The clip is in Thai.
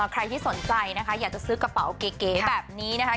ใครที่สนใจนะคะอยากจะซื้อกระเป๋าเก๋แบบนี้นะคะ